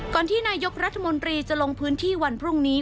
ที่นายกรัฐมนตรีจะลงพื้นที่วันพรุ่งนี้